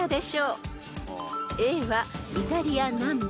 ［Ａはイタリア南部］